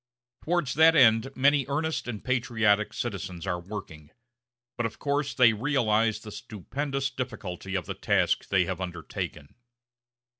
Towards that end many earnest and patriotic citizens are working; but of course they realize the stupendous difficulty of the task they have undertaken.